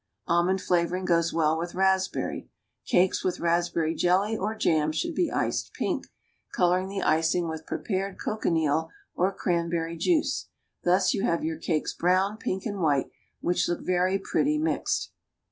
Almond flavoring goes well with raspberry. Cakes with raspberry jelly or jam should be iced pink, coloring the icing with prepared cochineal or cranberry juice. Thus you have your cakes brown, pink, and white, which look very pretty mixed.